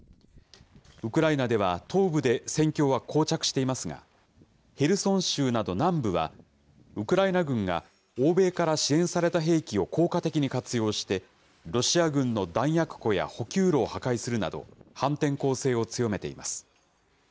ウクライナでは東部で戦況はこう着していますが、ヘルソン州など南部は、ウクライナ軍が欧米から支援された兵器を効果的に活用して、ロシア軍の弾薬庫や補給路を破壊するなど、反転攻勢を強めています。